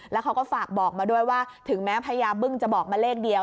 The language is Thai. แล้วเขาก็ฝากบอกมาด้วยว่าถึงแม้พญาบึ้งจะบอกมาเลขเดียว